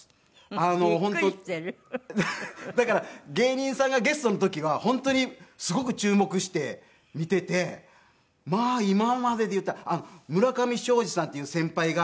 だから芸人さんがゲストの時は本当にすごく注目して見ていてまあ今まででいうたら村上ショージさんっていう先輩が。